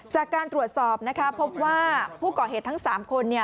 จากการตรวจสอบนะคะพบว่าผู้ก่อเหตุทั้ง๓คน